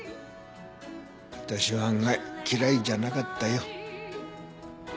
私は案外嫌いじゃなかったよ。